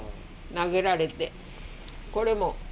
投げられて、これも。